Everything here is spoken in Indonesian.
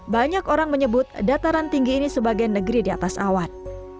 banyak orang menyebut dataran tinggi ini sebagai negeri di atas awan